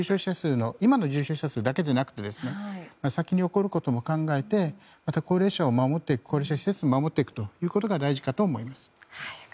今の重症者数だけじゃなくて先に起こることも考えてまた高齢者施設を守っていくことが大事かと思います。